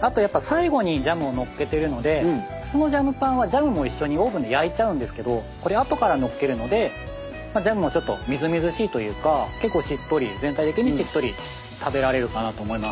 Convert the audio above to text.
あとやっぱ最後にジャムをのっけてるので普通のジャムパンはジャムも一緒にオーブンで焼いちゃうんですけどこれ後からのっけるのでジャムもちょっとみずみずしいというか結構しっとり全体的にしっとり食べられるかなと思います。